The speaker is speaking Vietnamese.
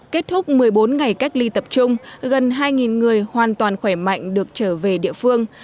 kết thúc một mươi bốn ngày cách ly tập trung gần hai người hoàn toàn khỏe mạnh được trở về địa phương